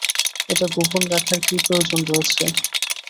এটা গোপন রাখার কী প্রয়োজন রয়েছে?